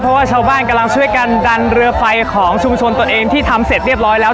เพราะว่าชาวบ้านกำลังช่วยกันดันเรือไฟของชุมชนตัวเองที่ทำเสร็จเรียบร้อยแล้ว